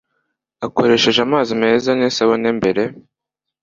akoresheje amazi meza n'isabune mbere